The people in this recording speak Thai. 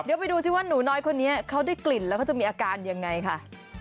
เดี๋ยวไปดูซิว่าหนูน้อยคนนี้เขาได้กลิ่นแล้วเขาจะมีอาการยังไงค่ะ